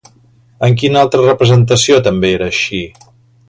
En quina altra representació també era així?